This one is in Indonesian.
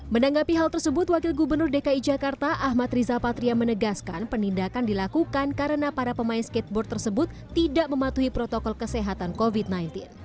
menanggapi hal tersebut wakil gubernur dki jakarta ahmad rizal patria menegaskan penindakan dilakukan karena para pemain skateboard tersebut tidak mematuhi protokolnya